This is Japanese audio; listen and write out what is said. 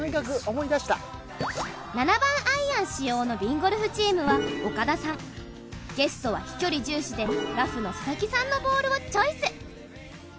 ７番アイアン使用のＢＩＮＧＯＬＦチームは岡田さんゲストは飛距離重視でラフの佐々木さんのボールをチョイス。